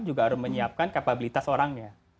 juga harus menyiapkan kapabilitas orangnya